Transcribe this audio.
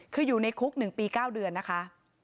คืออยู่ในคุก๑ปี๙เดือนนะคะ